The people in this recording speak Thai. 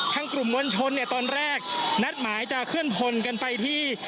ทั้งกลุ่มวลชนตอนแรกนัดหมายจะเคลื่อนพลกันไปที่